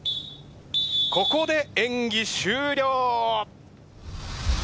ここで演技終了！